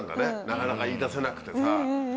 なかなか言い出せなくてさ。